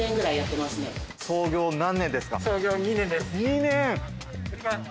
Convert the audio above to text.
創業何年ですか？